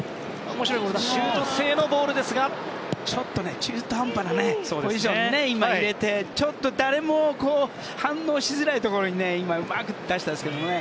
ちょっと中途半端なポジションに今、入れて、ちょっと誰も反応しづらいところにうまく出したんですけどね。